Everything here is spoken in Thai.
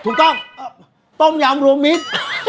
ถูกต้องต้มยำรวมมิตร